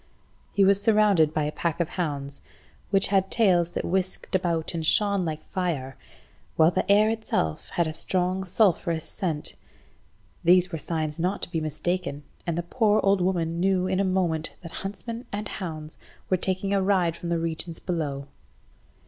He was surrounded by a pack of hounds which had tails that whisked about and shone like fire, while the air itself had a strong sulphurous scent. These were signs not to be mistaken, and the poor old woman knew in a moment that huntsman and hounds were taking a ride from the regions below.